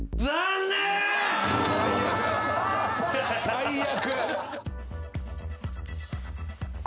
最悪！